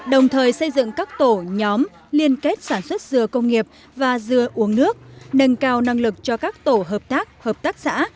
đồng thời xây dựng các tổ nhóm liên kết sản xuất dừa công nghiệp và dừa uống nước nâng cao năng lực cho các tổ hợp tác hợp tác xã